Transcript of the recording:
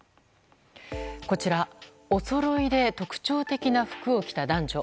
こちら、おそろいで特徴的な服を着た男女。